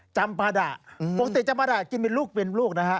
จำปาดะปกติจำปาดะกินเป็นลูกเป็นลูกนะฮะ